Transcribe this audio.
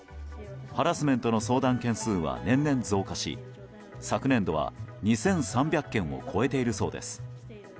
ハラスメントの相談件数は年々増加し昨年度は２３００件を超えているそうです。